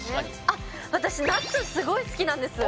あっ私茄子すごい好きなんです